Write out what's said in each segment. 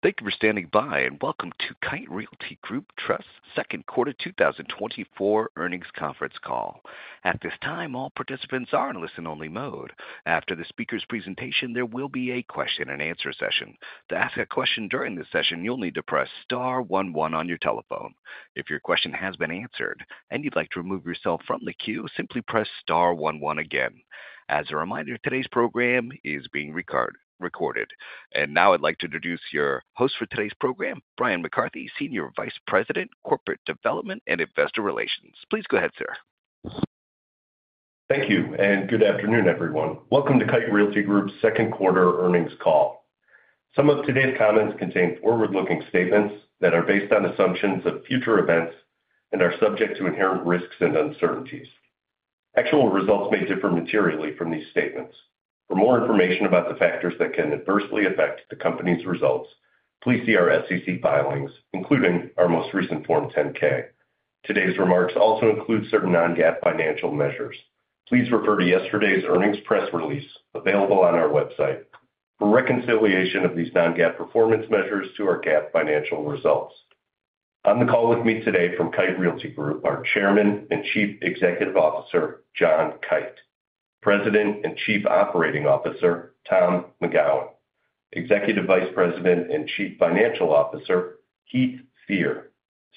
Thank you for standing by, and welcome to Kite Realty Group Trust's second quarter 2024 earnings conference call. At this time, all participants are in listen-only mode. After the speaker's presentation, there will be a question-and-answer session. To ask a question during this session, you'll need to press star one one on your telephone. If your question has been answered and you'd like to remove yourself from the queue, simply press star one one again. As a reminder, today's program is being recorded. And now I'd like to introduce your host for today's program, Bryan McCarthy, Senior Vice President, Corporate Development and Investor Relations. Please go ahead, sir. Thank you, and good afternoon, everyone. Welcome to Kite Realty Group's second quarter earnings call. Some of today's comments contain forward-looking statements that are based on assumptions of future events and are subject to inherent risks and uncertainties. Actual results may differ materially from these statements. For more information about the factors that can adversely affect the company's results, please see our SEC filings, including our most recent Form 10-K. Today's remarks also include certain non-GAAP financial measures. Please refer to yesterday's earnings press release, available on our website, for reconciliation of these non-GAAP performance measures to our GAAP financial results. On the call with me today from Kite Realty Group are Chairman and Chief Executive Officer, John Kite; President and Chief Operating Officer, Tom McGowan; Executive Vice President and Chief Financial Officer, Heath Fear;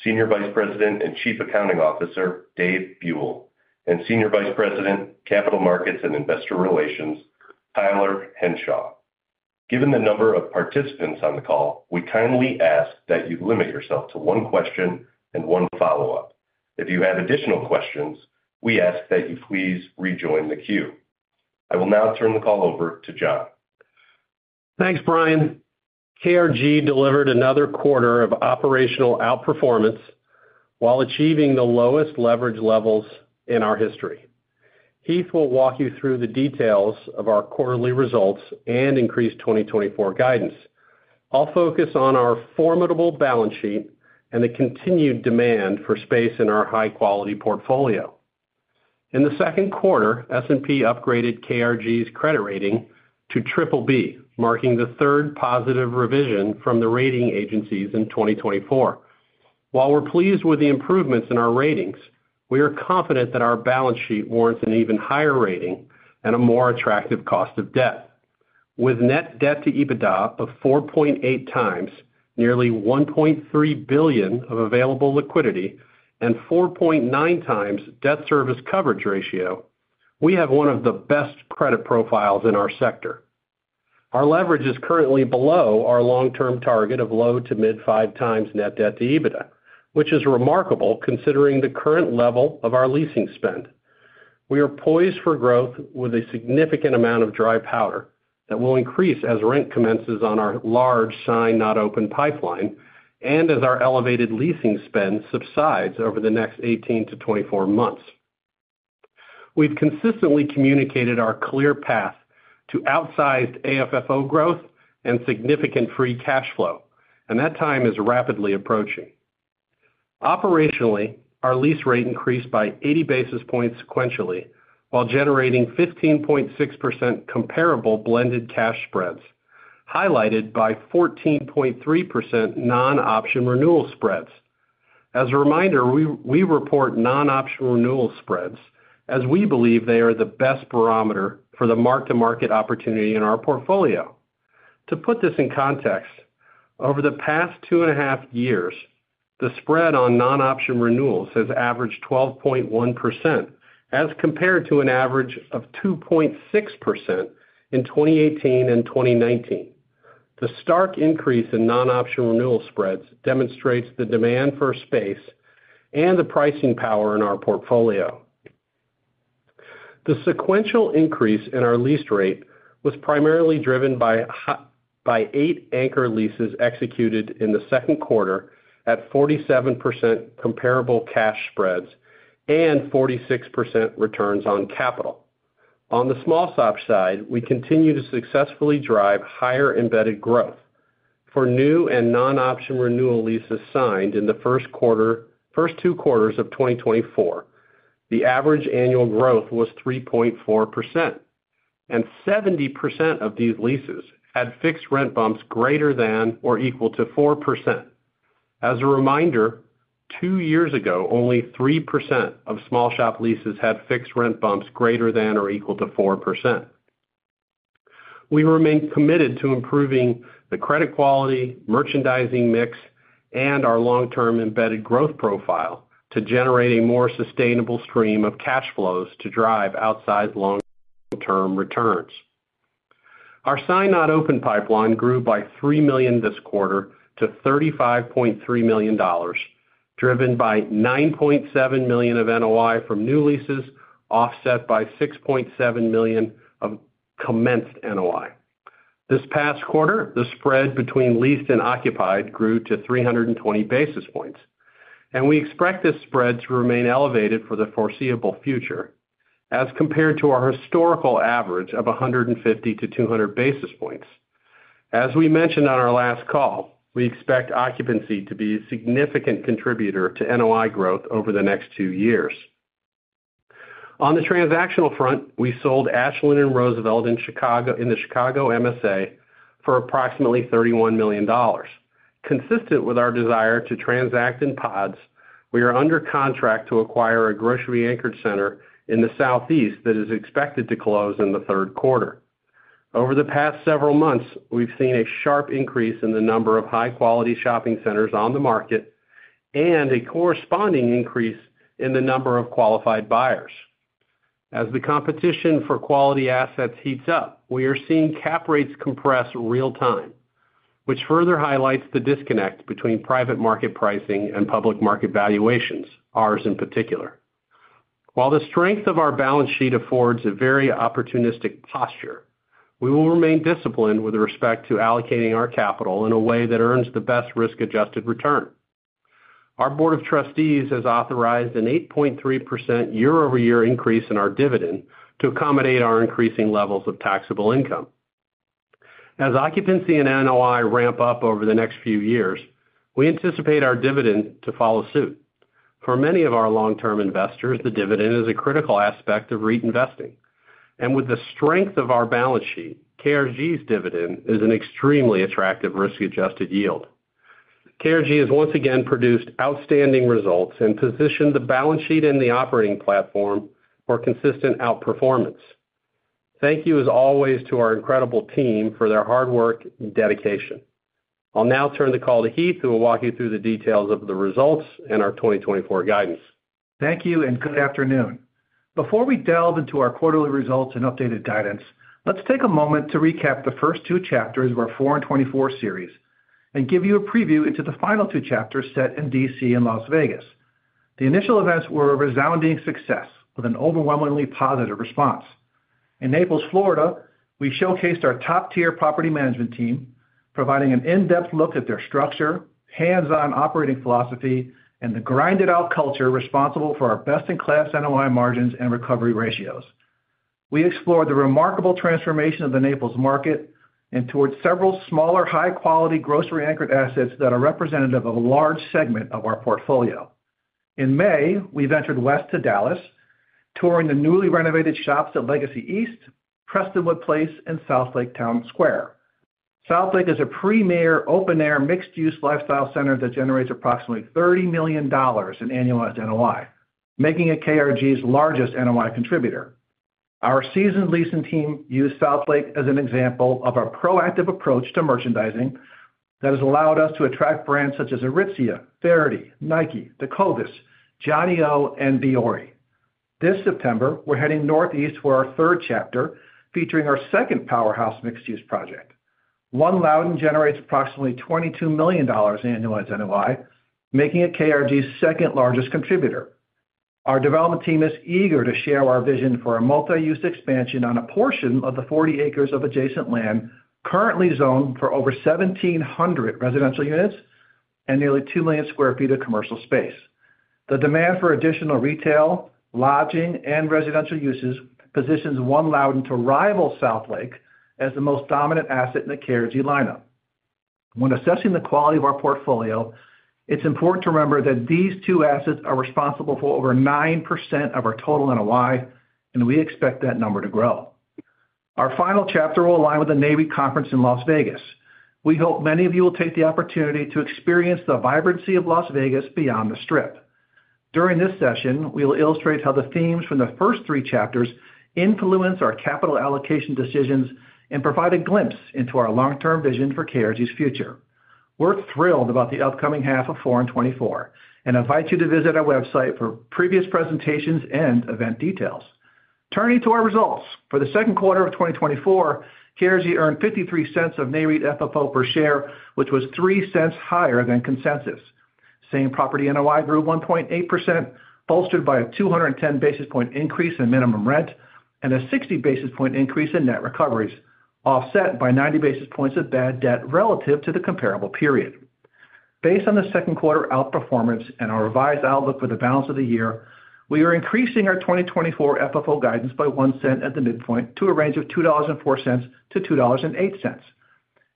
Senior Vice President and Chief Accounting Officer, Dave Buell; and Senior Vice President, Capital Markets and Investor Relations, Tyler Henshaw. Given the number of participants on the call, we kindly ask that you limit yourself to one question and one follow-up. If you have additional questions, we ask that you please rejoin the queue. I will now turn the call over to John. Thanks, Brian. KRG delivered another quarter of operational outperformance while achieving the lowest leverage levels in our history. Heath will walk you through the details of our quarterly results and increased 2024 guidance. I'll focus on our formidable balance sheet and the continued demand for space in our high-quality portfolio. In the second quarter, S&P upgraded KRG's credit rating to BBB, marking the third positive revision from the rating agencies in 2024. While we're pleased with the improvements in our ratings, we are confident that our balance sheet warrants an even higher rating and a more attractive cost of debt. With net debt to EBITDA of 4.8x, nearly $1.3 billion of available liquidity, and 4.9x debt service coverage ratio, we have one of the best credit profiles in our sector. Our leverage is currently below our long-term target of low- to mid-5x net debt to EBITDA, which is remarkable considering the current level of our leasing spend. We are poised for growth with a significant amount of dry powder that will increase as rent commences on our large signed, not open pipeline and as our elevated leasing spend subsides over the next 18-24 months. We've consistently communicated our clear path to outsized AFFO growth and significant free cash flow, and that time is rapidly approaching. Operationally, our lease rate increased by 80 basis points sequentially, while generating 15.6% comparable blended cash spreads, highlighted by 14.3% non-option renewal spreads. As a reminder, we report non-option renewal spreads as we believe they are the best barometer for the mark-to-market opportunity in our portfolio. To put this in context, over the past 2.5 years, the spread on non-option renewals has averaged 12.1%, as compared to an average of 2.6% in 2018 and 2019. The stark increase in non-option renewal spreads demonstrates the demand for space and the pricing power in our portfolio. The sequential increase in our lease rate was primarily driven by eight anchor leases executed in the second quarter at 47% comparable cash spreads and 46% returns on capital. On the small shop side, we continue to successfully drive higher embedded growth. For new and non-option renewal leases signed in the first two quarters of 2024, the average annual growth was 3.4%, and 70% of these leases had fixed rent bumps greater than or equal to 4%. As a reminder, two years ago, only 3% of small shop leases had fixed rent bumps greater than or equal to 4%. We remain committed to improving the credit quality, merchandising mix, and our long-term embedded growth profile to generate a more sustainable stream of cash flows to drive outsized long-term returns. Our signed not open pipeline grew by $3 million this quarter to $35.3 million, driven by $9.7 million of NOI from new leases, offset by $6.7 million of commenced NOI. This past quarter, the spread between leased and occupied grew to 320 basis points, and we expect this spread to remain elevated for the foreseeable future as compared to our historical average of 150-200 basis points. As we mentioned on our last call, we expect occupancy to be a significant contributor to NOI growth over the next two years. On the transactional front, we sold Ashland and Roosevelt in Chicago, in the Chicago MSA for approximately $31 million. Consistent with our desire to transact in pods, we are under contract to acquire a grocery-anchored center in the Southeast that is expected to close in the third quarter. Over the past several months, we've seen a sharp increase in the number of high-quality shopping centers on the market, and a corresponding increase in the number of qualified buyers. As the competition for quality assets heats up, we are seeing cap rates compress real-time, which further highlights the disconnect between private market pricing and public market valuations, ours in particular. While the strength of our balance sheet affords a very opportunistic posture, we will remain disciplined with respect to allocating our capital in a way that earns the best risk-adjusted return. Our board of trustees has authorized an 8.3% year-over-year increase in our dividend to accommodate our increasing levels of taxable income. As occupancy and NOI ramp up over the next few years, we anticipate our dividend to follow suit. For many of our long-term investors, the dividend is a critical aspect of REIT investing. With the strength of our balance sheet, KRG's dividend is an extremely attractive risk-adjusted yield. KRG has once again produced outstanding results and positioned the balance sheet and the operating platform for consistent outperformance. Thank you, as always, to our incredible team for their hard work and dedication. I'll now turn the call to Heath, who will walk you through the details of the results and our 2024 guidance. Thank you, and good afternoon. Before we delve into our quarterly results and updated guidance, let's take a moment to recap the first two chapters of our Four & 24 series, and give you a preview into the final two chapters set in D.C. and Las Vegas. The initial events were a resounding success, with an overwhelmingly positive response. In Naples, Florida, we showcased our top-tier property management team, providing an in-depth look at their structure, hands-on operating philosophy, and the grind-it-out culture responsible for our best-in-class NOI margins and recovery ratios. We explored the remarkable transformation of the Naples market, and toured several smaller, high-quality, grocery-anchored assets that are representative of a large segment of our portfolio. In May, we ventured west to Dallas, touring the newly renovated The Shops at Legacy East, Prestonwood Place, and Southlake Town Square. Southlake is a premier, open-air, mixed-use lifestyle center that generates approximately $30 million in annualized NOI, making it KRG's largest NOI contributor. Our seasoned leasing team used Southlake as an example of our proactive approach to merchandising that has allowed us to attract brands such as Aritzia, Faherty, Nike, Tecovas, johnnie-O, and Vuori. This September, we're heading northeast for our third chapter, featuring our second powerhouse mixed-use project. One Loudoun generates approximately $22 million in annualized NOI, making it KRG's second-largest contributor. Our development team is eager to share our vision for a multi-use expansion on a portion of the 40 acres of adjacent land, currently zoned for over 1,700 residential units and nearly 2 million sq ft of commercial space. The demand for additional retail, lodging, and residential uses positions One Loudoun to rival Southlake as the most dominant asset in the KRG lineup. When assessing the quality of our portfolio, it's important to remember that these two assets are responsible for over 9% of our total NOI, and we expect that number to grow. Our final chapter will align with the NAREIT conference in Las Vegas. We hope many of you will take the opportunity to experience the vibrancy of Las Vegas beyond the Strip. During this session, we'll illustrate how the themes from the first three chapters influence our capital allocation decisions, and provide a glimpse into our long-term vision for KRG's future. We're thrilled about the upcoming half of Four & 24, and invite you to visit our website for previous presentations and event details. Turning to our results. For the second quarter of 2024, KRG earned $0.53 of NAREIT FFO per share, which was $0.03 higher than consensus. Same-property NOI grew 1.8%, bolstered by a 210 basis point increase in minimum rent, and a 60 basis point increase in net recoveries, offset by 90 basis points of bad debt relative to the comparable period. Based on the second quarter outperformance and our revised outlook for the balance of the year, we are increasing our 2024 FFO guidance by $0.01 at the midpoint to a range of $2.04-$2.08.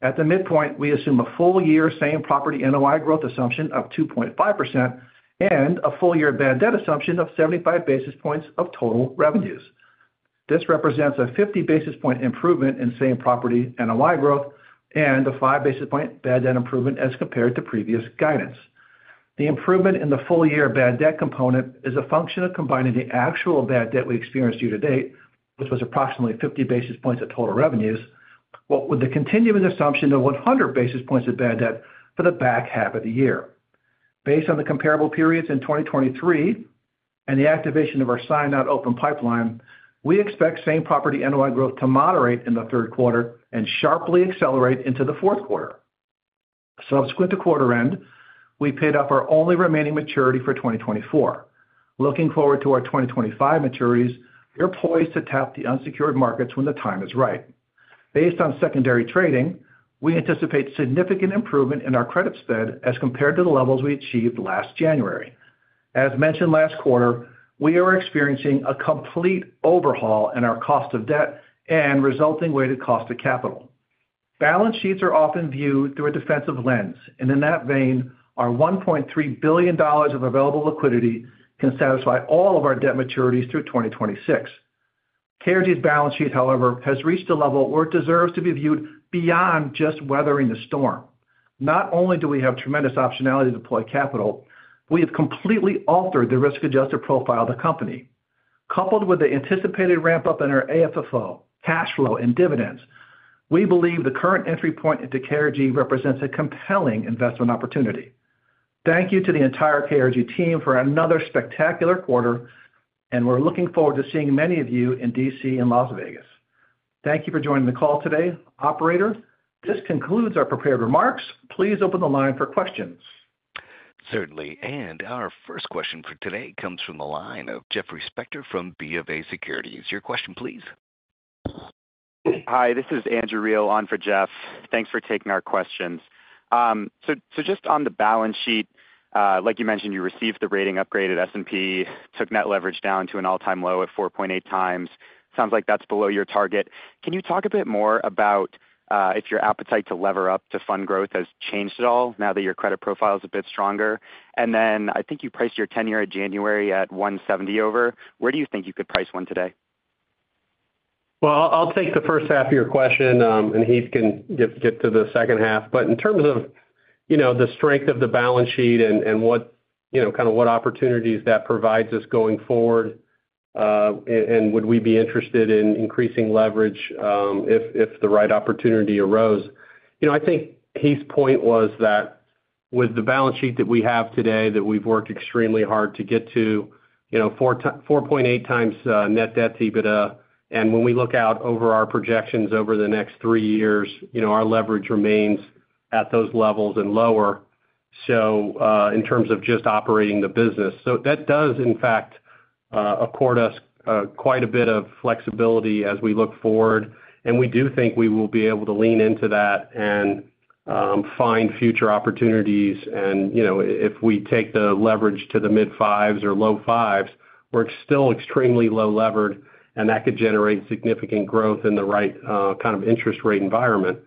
At the midpoint, we assume a full-year same-property NOI growth assumption of 2.5%, and a full-year bad debt assumption of 75 basis points of total revenues. This represents a 50 basis point improvement in same-property NOI growth and a 5 basis point bad debt improvement as compared to previous guidance. The improvement in the full-year bad debt component is a function of combining the actual bad debt we experienced year to date, which was approximately 50 basis points of total revenues, weighted with the continuing assumption of 100 basis points of bad debt for the back half of the year. Based on the comparable periods in 2023 and the activation of our signed not open pipeline, we expect same-property NOI growth to moderate in the third quarter and sharply accelerate into the fourth quarter. Subsequent to quarter end, we paid off our only remaining maturity for 2024. Looking forward to our 2025 maturities, we are poised to tap the unsecured markets when the time is right. Based on secondary trading, we anticipate significant improvement in our credit spread as compared to the levels we achieved last January. As mentioned last quarter, we are experiencing a complete overhaul in our cost of debt and resulting weighted cost of capital.... Balance sheets are often viewed through a defensive lens, and in that vein, our $1.3 billion of available liquidity can satisfy all of our debt maturities through 2026. KRG's balance sheet, however, has reached a level where it deserves to be viewed beyond just weathering the storm. Not only do we have tremendous optionality to deploy capital, we have completely altered the risk-adjusted profile of the company. Coupled with the anticipated ramp-up in our AFFO, cash flow, and dividends, we believe the current entry point into KRG represents a compelling investment opportunity. Thank you to the entire KRG team for another spectacular quarter, and we're looking forward to seeing many of you in DC and Las Vegas. Thank you for joining the call today. Operator, this concludes our prepared remarks. Please open the line for questions. Certainly. And our first question for today comes from the line of Jeffrey Spector from BofA Securities. Your question, please. Hi, this is Andrew Reale on for Jeff. Thanks for taking our questions. So just on the balance sheet, like you mentioned, you received the rating upgrade at S&P, took net leverage down to an all-time low of 4.8 times. Sounds like that's below your target. Can you talk a bit more about if your appetite to lever up to fund growth has changed at all now that your credit profile is a bit stronger? And then I think you priced your 10-year in January at 170 over. Where do you think you could price one today? Well, I'll take the first half of your question, and Heath can get to the second half. But in terms of, you know, the strength of the balance sheet and what, you know, kind of what opportunities that provides us going forward, and would we be interested in increasing leverage, if the right opportunity arose? You know, I think Heath's point was that with the balance sheet that we have today, that we've worked extremely hard to get to, you know, 4.8 times net debt EBITDA, and when we look out over our projections over the next three years, you know, our leverage remains at those levels and lower, so in terms of just operating the business. So that does in fact accord us quite a bit of flexibility as we look forward, and we do think we will be able to lean into that and find future opportunities. You know, if we take the leverage to the mid-fives or low fives, we're still extremely low levered, and that could generate significant growth in the right kind of interest rate environment.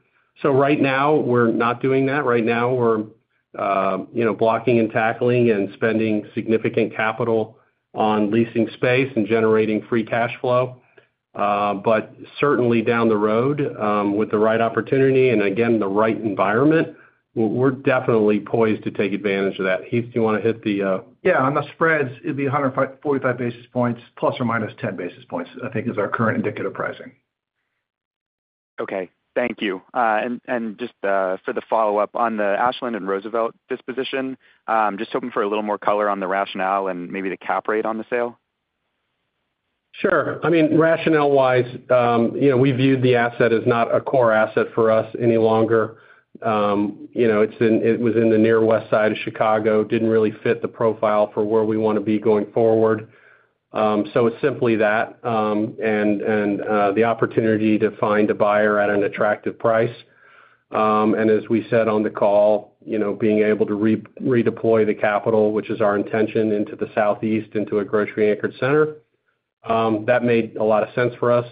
Right now, we're not doing that. Right now we're, you know, blocking and tackling and spending significant capital on leasing space and generating free cash flow. But certainly down the road, with the right opportunity and again, the right environment, we're, we're definitely poised to take advantage of that. Heath, do you want to hit the- Yeah, on the spreads, it'd be 145 basis points ± 10 basis points, I think is our current indicative pricing. Okay. Thank you. And just for the follow-up, on the Ashland and Roosevelt disposition, just hoping for a little more color on the rationale and maybe the cap rate on the sale. Sure. I mean, rationale-wise, you know, we viewed the asset as not a core asset for us any longer. You know, it was in the near west side of Chicago, didn't really fit the profile for where we want to be going forward. So it's simply that, and the opportunity to find a buyer at an attractive price. And as we said on the call, you know, being able to redeploy the capital, which is our intention, into the southeast, into a grocery-anchored center, that made a lot of sense for us.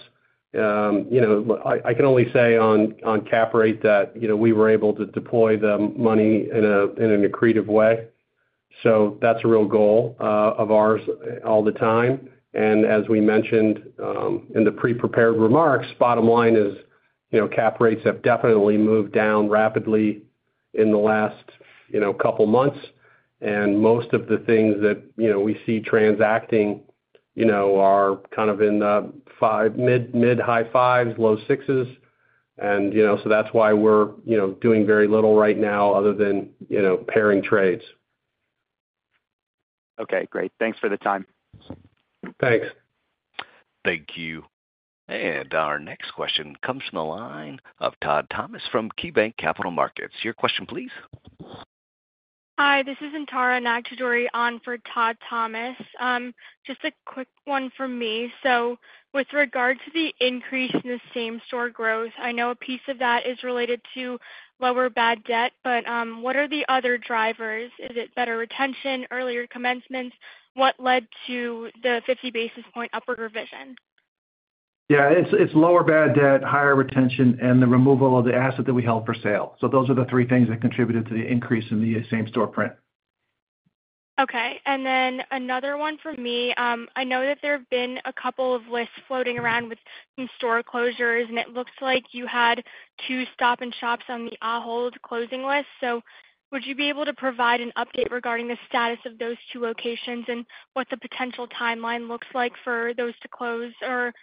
You know, I can only say on cap rate that, you know, we were able to deploy the money in an accretive way. So that's a real goal of ours all the time. As we mentioned in the pre-prepared remarks, bottom line is, you know, cap rates have definitely moved down rapidly in the last, you know, couple months. And most of the things that, you know, we see transacting, you know, are kind of in the 5-- mid, mid-high 5s, low 6s. And, you know, so that's why we're, you know, doing very little right now other than, you know, pairing trades. Okay, great. Thanks for the time. Thanks. Thank you. Our next question comes from the line of Todd Thomas from KeyBanc Capital Markets. Your question, please. Hi, this is Antara Nag-Chaudhuri, on for Todd Thomas. Just a quick one from me. With regard to the increase in the same-store growth, I know a piece of that is related to lower bad debt, but, what are the other drivers? Is it better retention, earlier commencements? What led to the 50 basis point upward revision? Yeah, it's lower bad debt, higher retention, and the removal of the asset that we held for sale. So those are the three things that contributed to the increase in the same store print. Okay. And then another one from me. I know that there have been a couple of lists floating around with some store closures, and it looks like you had two Stop & Shops on the store closing list. So would you be able to provide an update regarding the status of those two locations and what the potential timeline looks like for those to close, or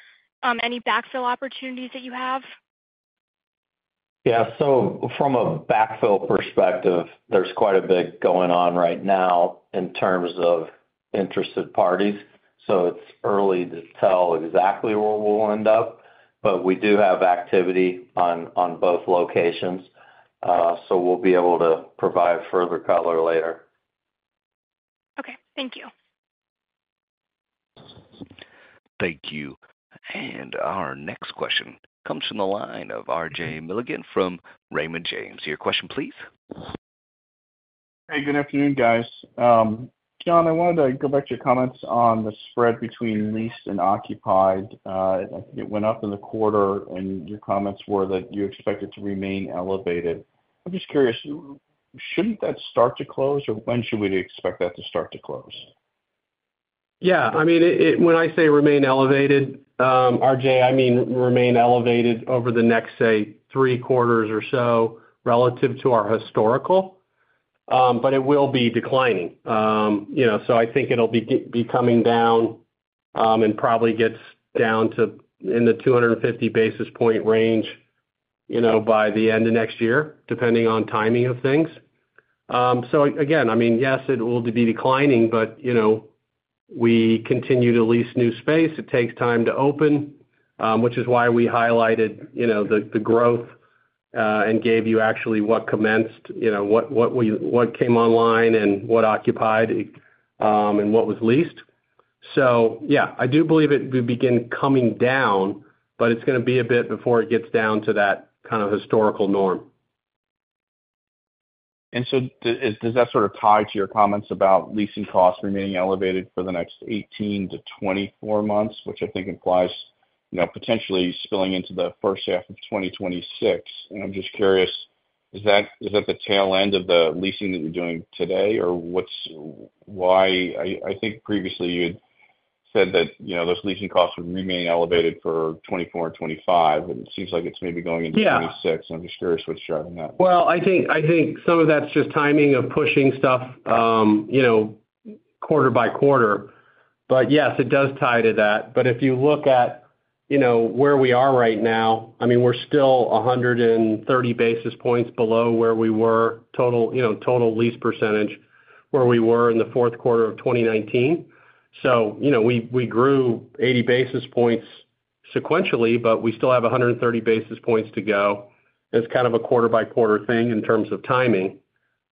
any backfill opportunities that you have? Yeah. So from a backfill perspective, there's quite a bit going on right now in terms of interested parties, so it's early to tell exactly where we'll end up. But we do have activity on both locations, so we'll be able to provide further color later. Okay. Thank you. Thank you. And our next question comes from the line of RJ Milligan from Raymond James. Your question, please. Hey, good afternoon, guys. John, I wanted to go back to your comments on the spread between leased and occupied. It went up in the quarter, and your comments were that you expect it to remain elevated. I'm just curious, shouldn't that start to close, or when should we expect that to start to close? Yeah, I mean, it-- when I say remain elevated, RJ, I mean, remain elevated over the next, say, 3 quarters or so relative to our historical. But it will be declining. You know, so I think it'll be be coming down, and probably gets down to in the 250 basis point range, you know, by the end of next year, depending on timing of things. So again, I mean, yes, it will be declining, but, you know, we continue to lease new space. It takes time to open, which is why we highlighted, you know, the growth, and gave you actually what commenced, you know, what came online and what occupied, and what was leased. So, yeah, I do believe it will begin coming down, but it's gonna be a bit before it gets down to that kind of historical norm. And so does that sort of tie to your comments about leasing costs remaining elevated for the next 18-24 months, which I think implies, you know, potentially spilling into the first half of 2026? And I'm just curious, is that, is that the tail end of the leasing that you're doing today, or what's... Why-- I, I think previously you'd said that, you know, those leasing costs would remain elevated for 2024 and 2025, and it seems like it's maybe going into- Yeah... 2026. I'm just curious what's driving that. Well, I think, I think some of that's just timing of pushing stuff, you know, quarter by quarter. But yes, it does tie to that. But if you look at, you know, where we are right now, I mean, we're still 130 basis points below where we were total, you know, total lease percentage, where we were in the fourth quarter of 2019. So, you know, we, we grew 80 basis points sequentially, but we still have 130 basis points to go. It's kind of a quarter-by-quarter thing in terms of timing.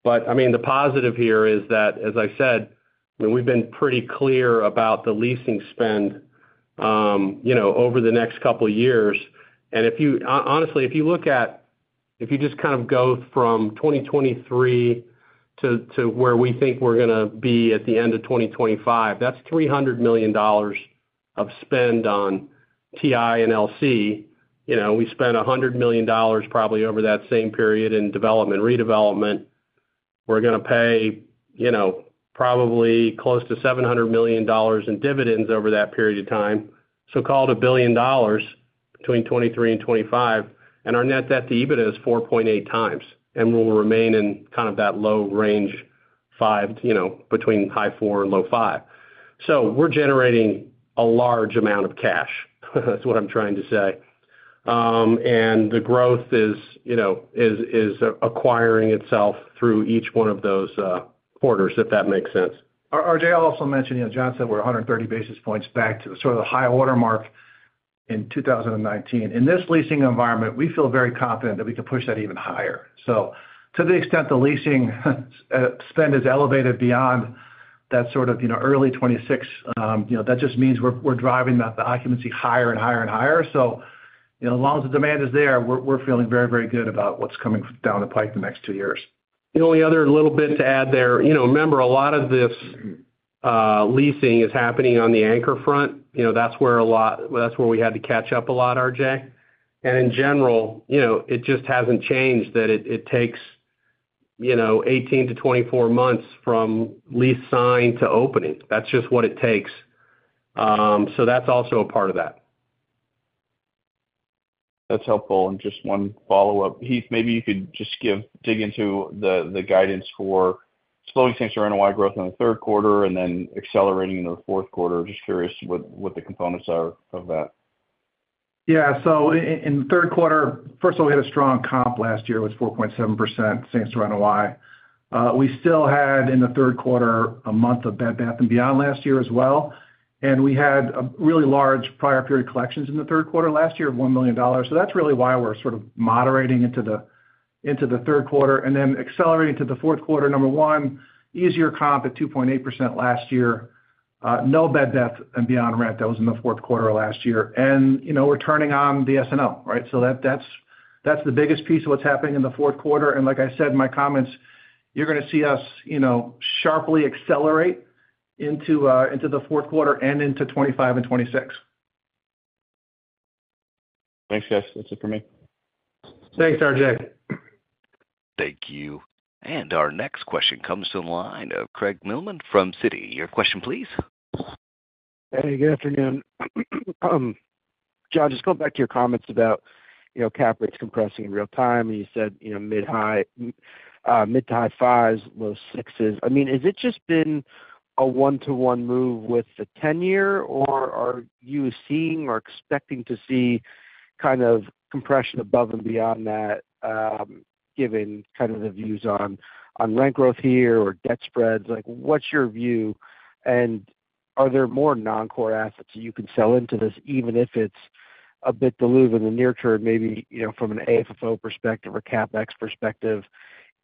But, I mean, the positive here is that, as I said, I mean, we've been pretty clear about the leasing spend, you know, over the next couple of years. And if you honestly, if you just kind of go from 2023 to where we think we're gonna be at the end of 2025, that's $300 million of spend on TI and LC. You know, we spent a $100 million, probably over that same period in development, redevelopment. We're gonna pay, you know, probably close to $700 million in dividends over that period of time, so call it a $1 billion between 2023 and 2025, and our net debt to EBITDA is 4.8x, and we'll remain in kind of that low range 5, you know, between high 4 and low 5. So we're generating a large amount of cash. That's what I'm trying to say. And the growth is, you know, acquiring itself through each one of those quarters, if that makes sense. RJ, I'll also mention, you know, John said we're 130 basis points back to the sort of the high water mark in 2019. In this leasing environment, we feel very confident that we can push that even higher. So to the extent the leasing spend is elevated beyond that sort of, you know, early 2026, you know, that just means we're, we're driving the, the occupancy higher and higher and higher. So, you know, as long as the demand is there, we're, we're feeling very, very good about what's coming down the pipe the next two years. The only other little bit to add there, you know, remember, a lot of this leasing is happening on the anchor front. You know, that's where a lot-- that's where we had to catch up a lot, RJ. And in general, you know, it just hasn't changed that it takes, you know, 18-24 months from lease sign to opening. That's just what it takes. So that's also a part of that. That's helpful. Just one follow-up. Heath, maybe you could just give, dig into the, the guidance for slowing same store NOI growth in the third quarter and then accelerating in the fourth quarter. Just curious what, what the components are of that. Yeah. So in the third quarter... First of all, we had a strong comp last year, it was 4.7% same-store NOI. We still had, in the third quarter, a month of Bed Bath & Beyond last year as well, and we had a really large prior period collections in the third quarter last year of $1 million. So that's really why we're sort of moderating into the, into the third quarter and then accelerating to the fourth quarter. Number one, easier comp at 2.8% last year. No Bed Bath & Beyond rent that was in the fourth quarter of last year. And, you know, we're turning on the SNO, right? So that's, that's the biggest piece of what's happening in the fourth quarter. Like I said in my comments, you're gonna see us, you know, sharply accelerate into into the fourth quarter and into 2025 and 2026. Thanks, guys. That's it for me. Thanks, RJ. Thank you. And our next question comes from the line of Craig Mailman from Citi. Your question, please. Hey, good afternoon. John, just going back to your comments about, you know, cap rates compressing in real time, and you said, you know, mid- to high-5s, low-6s. I mean, has it just been a one-to-one move with the 10-year, or are you seeing or expecting to see kind of compression above and beyond that, given kind of the views on, on rent growth here or debt spreads? Like, what's your view, and are there more non-core assets you can sell into this, even if it's a bit diluted in the near term, maybe, you know, from an AFFO perspective or CapEx perspective,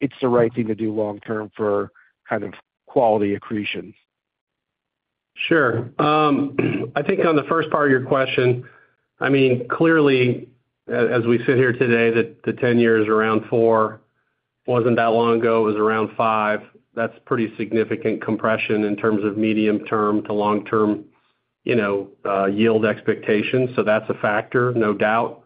it's the right thing to do long term for kind of quality accretion?... Sure. I think on the first part of your question, I mean, clearly, as we sit here today, the 10-year around 4 wasn't that long ago, it was around 5. That's pretty significant compression in terms of medium term to long term, you know, yield expectations, so that's a factor, no doubt.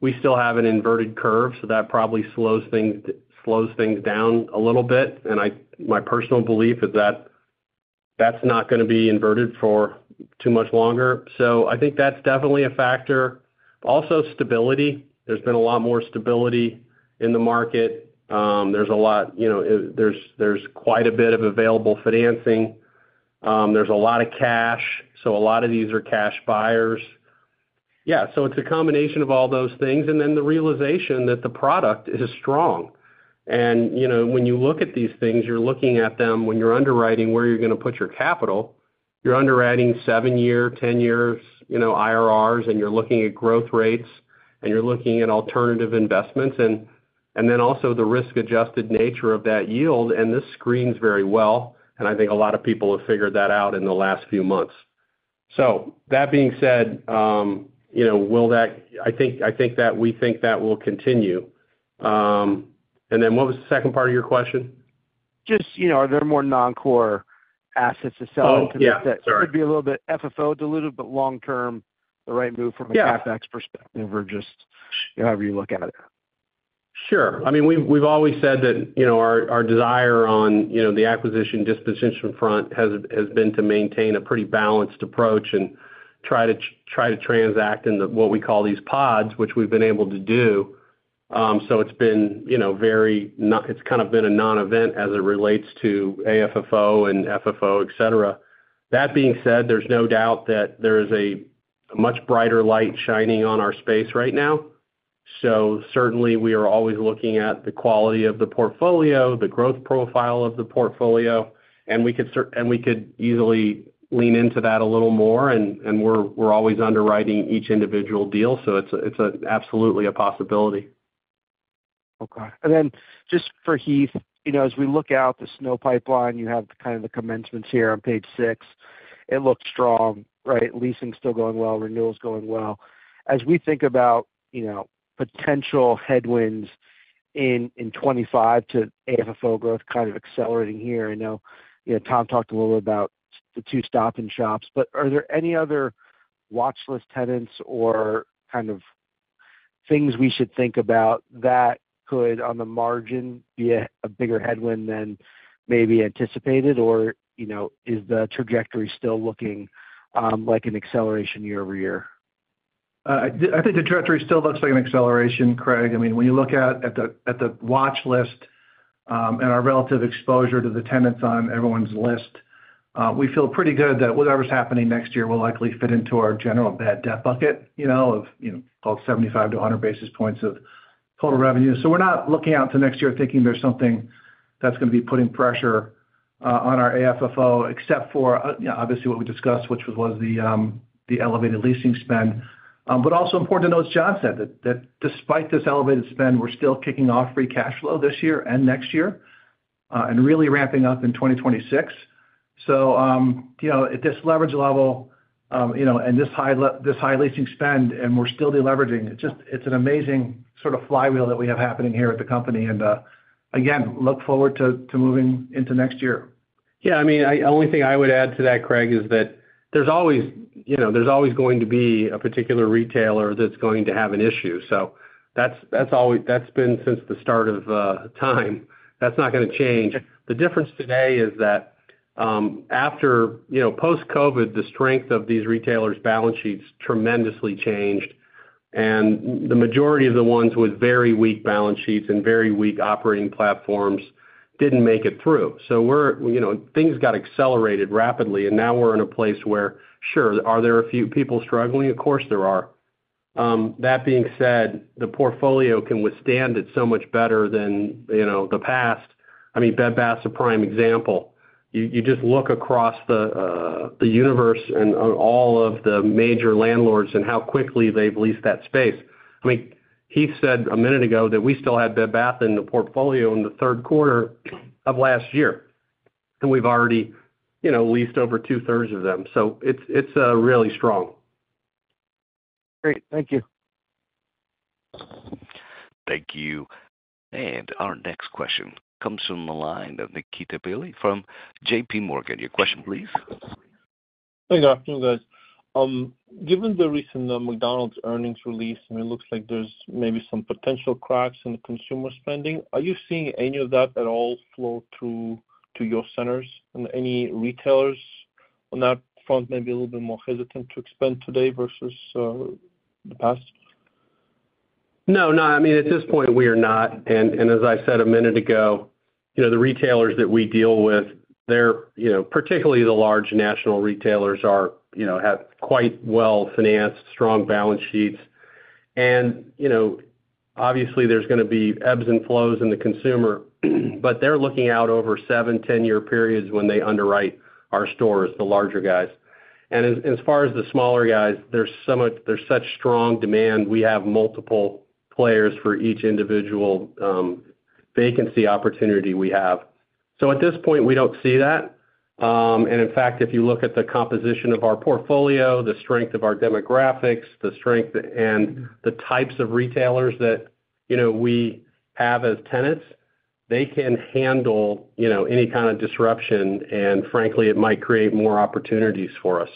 We still have an inverted curve, so that probably slows things, slows things down a little bit, and my personal belief is that that's not gonna be inverted for too much longer. So I think that's definitely a factor. Also, stability. There's been a lot more stability in the market. There's a lot, you know, there's quite a bit of available financing. There's a lot of cash, so a lot of these are cash buyers. Yeah, so it's a combination of all those things, and then the realization that the product is strong. And, you know, when you look at these things, you're looking at them when you're underwriting where you're gonna put your capital, you're underwriting 7-year, 10 years, you know, IRRs, and you're looking at growth rates, and you're looking at alternative investments, and, and then also the risk-adjusted nature of that yield, and this screens very well, and I think a lot of people have figured that out in the last few months. So that being said, you know, will that-- I think, I think that we think that will continue. And then what was the second part of your question? Just, you know, are there more non-core assets to sell? Oh, yeah, sorry. It could be a little bit FFO diluted, but long term, the right move from- Yeah... a CapEx perspective or just, however you look at it. Sure. I mean, we've always said that, you know, our desire on, you know, the acquisition disposition front has been to maintain a pretty balanced approach and try to transact in the, what we call these pods, which we've been able to do. So it's been, you know, kind of a non-event as it relates to AFFO and FFO, et cetera. That being said, there's no doubt that there is a much brighter light shining on our space right now. So certainly we are always looking at the quality of the portfolio, the growth profile of the portfolio, and we could easily lean into that a little more, and we're always underwriting each individual deal, so it's absolutely a possibility. Okay. Then just for Heath, you know, as we look out the SNO pipeline, you have kind of the commencements here on page 6. It looks strong, right? Leasing's still going well, renewal's going well. As we think about, you know, potential headwinds in 2025 to AFFO growth kind of accelerating here, I know, you know, Tom talked a little bit about the two Stop & Shops, but are there any other watchlist tenants or kind of things we should think about that could, on the margin, be a bigger headwind than maybe anticipated? Or, you know, is the trajectory still looking like an acceleration year-over-year? I think the trajectory still looks like an acceleration, Craig. I mean, when you look out at the watchlist, and our relative exposure to the tenants on everyone's list, we feel pretty good that whatever's happening next year will likely fit into our general bad debt bucket, you know, of, you know, called 75-100 basis points of total revenue. So we're not looking out to next year thinking there's something that's gonna be putting pressure on our AFFO, except for, you know, obviously, what we discussed, which was the elevated leasing spend. But also important to note, as John said, that despite this elevated spend, we're still kicking off free cash flow this year and next year, and really ramping up in 2026. So, you know, at this leverage level, you know, and this high leasing spend, and we're still deleveraging, it's just, it's an amazing sort of flywheel that we have happening here at the company, and, again, look forward to moving into next year. Yeah, I mean, only thing I would add to that, Craig, is that there's always, you know, there's always going to be a particular retailer that's going to have an issue. So that's, that's always, that's been since the start of time. That's not gonna change. The difference today is that, after, you know, post-COVID, the strength of these retailers' balance sheets tremendously changed, and the majority of the ones with very weak balance sheets and very weak operating platforms didn't make it through. So we're, you know, things got accelerated rapidly, and now we're in a place where, sure, are there a few people struggling? Of course, there are. That being said, the portfolio can withstand it so much better than, you know, the past. I mean, Bed Bath's a prime example. You just look across the universe and all of the major landlords and how quickly they've leased that space. I mean, Heath said a minute ago that we still had Bed Bath in the portfolio in the third quarter of last year, and we've already, you know, leased over two-thirds of them. So it's really strong. Great. Thank you. Thank you. And our next question comes from the line of Nikita Bely from JP Morgan. Your question, please. Hey, good afternoon, guys. Given the recent McDonald's earnings release, and it looks like there's maybe some potential cracks in the consumer spending, are you seeing any of that at all flow through to your centers? And any retailers on that front may be a little bit more hesitant to spend today versus the past? No, no. I mean, at this point, we are not. And as I said a minute ago, you know, the retailers that we deal with, they're, you know, particularly the large national retailers are, you know, have quite well-financed, strong balance sheets. And, you know, obviously, there's gonna be ebbs and flows in the consumer, but they're looking out over 7, 10-year periods when they underwrite our stores, the larger guys.... And as far as the smaller guys, there's such strong demand, we have multiple players for each individual vacancy opportunity we have. So at this point, we don't see that. In fact, if you look at the composition of our portfolio, the strength of our demographics, the strength and the types of retailers that, you know, we have as tenants, they can handle, you know, any kind of disruption, and frankly, it might create more opportunities for us.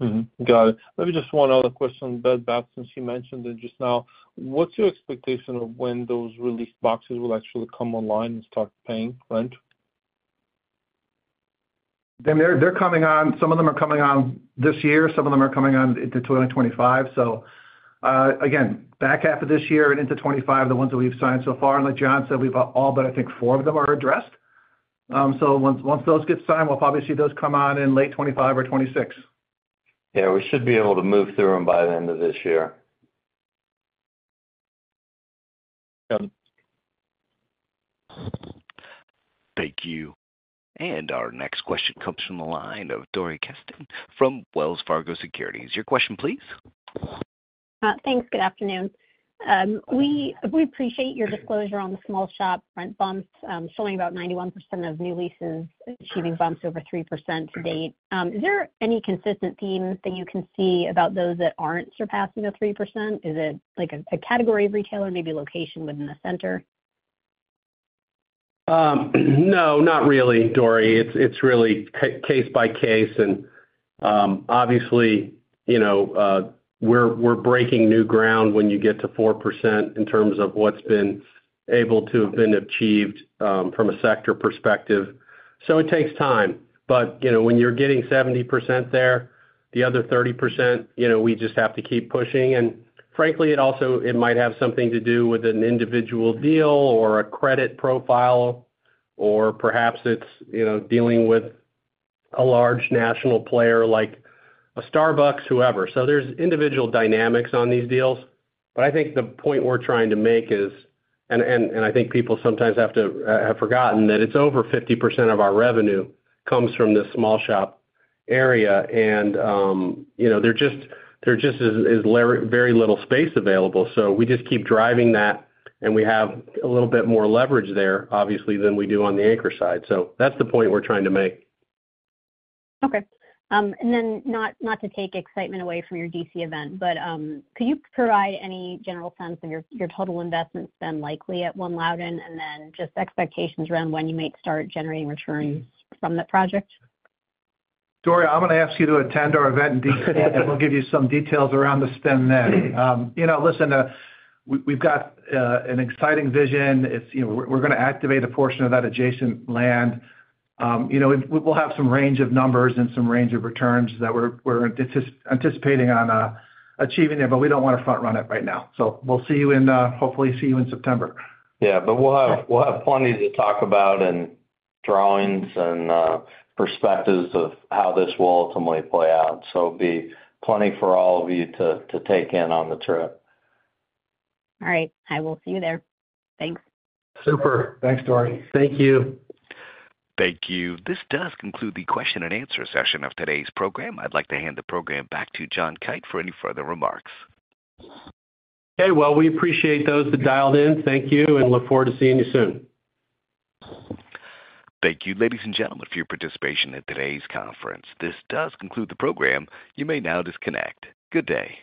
Mm-hmm. Got it. Maybe just one other question, John, back, since you mentioned it just now. What's your expectation of when those released boxes will actually come online and start paying rent? They're coming on—some of them are coming on this year, some of them are coming on into 2025. So, again, back half of this year and into 2025, the ones that we've signed so far, and like John said, we've all but four of them are addressed. So once those get signed, we'll probably see those come on in late 2025 or 2026. Yeah, we should be able to move through them by the end of this year. Got it. Thank you. Our next question comes from the line of Dori Kesten from Wells Fargo Securities. Your question, please? Thanks. Good afternoon. We appreciate your disclosure on the small shop rent bumps, showing about 91% of new leases achieving bumps over 3% to date. Is there any consistent theme that you can see about those that aren't surpassing the 3%? Is it like a category of retailer, maybe location within the center? No, not really, Dori. It's really case by case. And obviously, you know, we're breaking new ground when you get to 4% in terms of what's been able to have been achieved from a sector perspective, so it takes time. But you know, when you're getting 70% there, the other 30%, you know, we just have to keep pushing. And frankly, it also, it might have something to do with an individual deal or a credit profile, or perhaps it's, you know, dealing with a large national player, like a Starbucks, whoever. So there's individual dynamics on these deals, but I think the point we're trying to make is, and I think people sometimes have to have forgotten, that it's over 50% of our revenue comes from this small shop area. You know, there just is very little space available, so we just keep driving that, and we have a little bit more leverage there, obviously, than we do on the anchor side. So that's the point we're trying to make. Okay. And then, not to take excitement away from your D.C. event, but could you provide any general sense of your total investment spend likely at One Loudoun, and then just expectations around when you might start generating returns from that project? Dori, I'm gonna ask you to attend our event in D.C., and we'll give you some details around the spend then. You know, listen, we've got an exciting vision. It's, you know, we're, we're gonna activate a portion of that adjacent land. You know, we'll, we'll have some range of numbers and some range of returns that we're, we're anticipating on achieving there, but we don't want to front run it right now. So we'll see you in, hopefully see you in September. Yeah, but we'll have plenty to talk about and drawings and perspectives of how this will ultimately play out. So it'll be plenty for all of you to take in on the trip. All right. I will see you there. Thanks. Super. Thanks, Dori. Thank you. Thank you. This does conclude the question and answer session of today's program. I'd like to hand the program back to John Kite for any further remarks. Okay. Well, we appreciate those that dialed in. Thank you, and look forward to seeing you soon. Thank you, ladies and gentlemen, for your participation in today's conference. This does conclude the program. You may now disconnect. Good day.